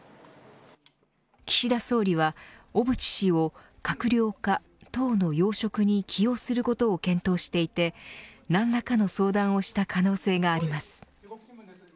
岸田総理は小渕氏を閣僚か党の要職に起用することを検討していて何らかの相談をした可能性があります。